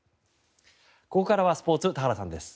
ここからはスポーツ田原さんです。